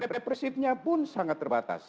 represifnya pun sangat terbatas